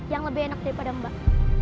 yang lebih enak daripada mbak